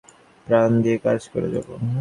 প্রাণ দিয়ে কাজ করে যাব।